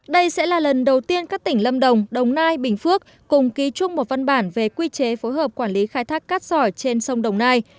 đây sẽ là lần đầu tiên các tỉnh lâm đồng đồng nai bình phước cùng ký chung một văn bản về quy chế phối hợp quản lý khai thác cát sỏi trên sông đồng nai